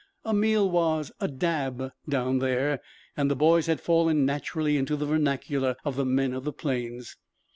A meal was a "dab" down there and the boys had fallen naturally into the vernacular of the men of the plains.